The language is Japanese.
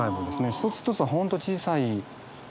一つ一つは本当小さいので。